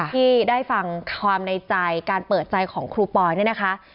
ที่ได้ฟังความในใจการเปิดใจของครูปอยเนี่ยนะคะ